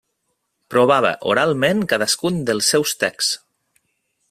Provava oralment cadascun dels seus texts.